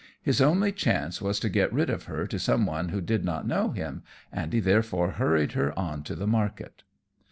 His only chance was to get rid of her to some one who did not know him, and he therefore hurried her on to the market.